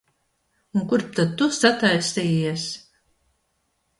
Un kurp tad tu sataisījies?